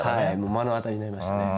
目の当たりになりましたね。